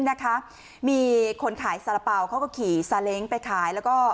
นะคะมีคนขายสาระเป๋าเขาก็ขี่ซาเล้งไปขายแล้วก็